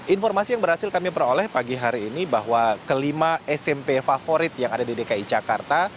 informasi yang berhasil kami peroleh pagi hari ini bahwa kelima smp favorit yang ada di dki jakarta